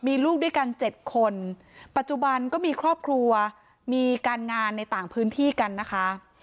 มีลูกด้วยกันเจ็ดคนปัจจุบันก็มีครอบครัวมีการงานในต่างพื้นที่กันนะคะ